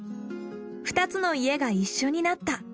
２つの家が一緒になった。